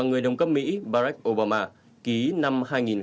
người đồng cấp mỹ barack obama ký năm hai nghìn một mươi